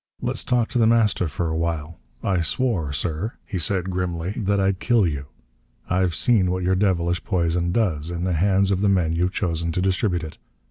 "Let's talk to The Master for a while. I swore, sir," he said grimly, "that I'd kill you. I've seen what your devilish poison does, in the hands of the men you've chosen to distribute it.